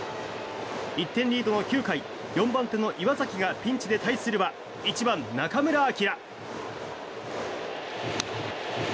１点リードの９回４番手の岩崎がピンチで対するは１番、中村晃。